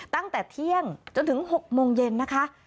ตั้งแต่เที่ยงจนถึง๖โมงเย็นนะคะ